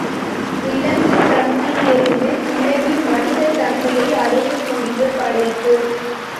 விலங்குத் தன்மையிலிருந்து விலகி மனிதத் தன்மையை அடையக்கூடிய படைப்பு!